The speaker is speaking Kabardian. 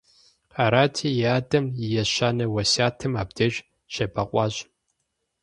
Арати, и адэм и ещанэ уэсятым абдеж щебэкъуащ.